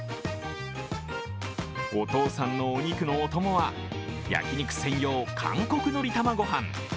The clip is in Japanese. お父さんのお肉のおともは焼肉専用韓国のり玉ごはん。